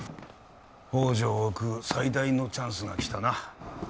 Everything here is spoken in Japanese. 宝条を喰う最大のチャンスがきたな